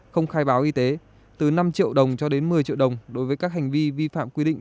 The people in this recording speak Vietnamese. không khai báo y tế từ năm triệu đồng cho đến một mươi triệu đồng đối với các hành vi vi phạm quy định